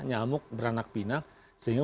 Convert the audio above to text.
nyamuk beranak pinak sehingga